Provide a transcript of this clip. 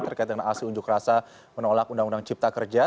terkait dengan aksi unjuk rasa menolak undang undang cipta kerja